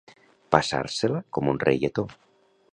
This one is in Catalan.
Passar-se-la com un reietó.